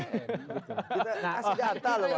kita kasih data loh pak